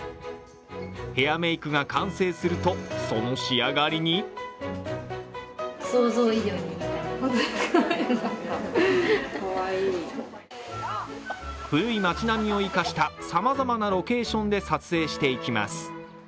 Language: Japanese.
ヘアメークが完成すると、その仕上がりに古い町並みを生かしたさまざまなロケーションで撮影していきます。